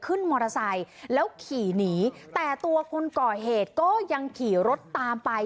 ขึ้นมอเตอร์ไซค์แล้วขี่หนีแต่ตัวคนก่อเหตุก็ยังขี่รถตามไป